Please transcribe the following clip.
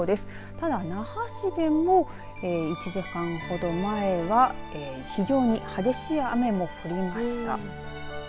ただ、那覇市でも１時間ほど前は非常に激しい雨も降りました。